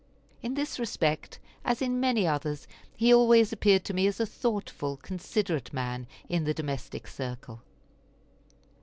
In this respect, as in many others, he always appeared to me as a thoughtful, considerate man in the domestic circle.